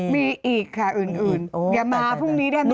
มีอีกค่ะอื่นอย่ามาพรุ่งนี้ได้ไหม